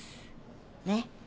ねっ。